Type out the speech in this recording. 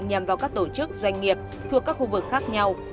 nhằm vào các tổ chức doanh nghiệp thuộc các khu vực khác nhau